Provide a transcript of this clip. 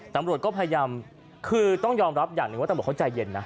ตำรวจก็พยายามคือต้องยอมรับอย่างหนึ่งว่าตำรวจเขาใจเย็นนะ